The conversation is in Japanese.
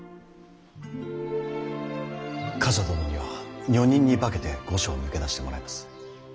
冠者殿には女人に化けて御所を抜け出してもらいます。